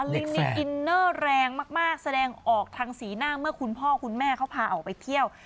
ลิงนี่อินเนอร์แรงมากแสดงออกทางสีหน้าเมื่อคุณพ่อคุณแม่เขาพาออกไปเที่ยว